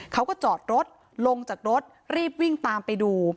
เขาก็จอดรถลงจากรถรีบวิ่งตามไปดู